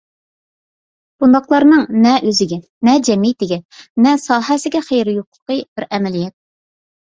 بۇنداقلارنىڭ نە ئۆزىگە، نە جەمئىيىتىگە، نە ساھەسىگە خەيرى يوقلۇقى بىر ئەمەلىيەت.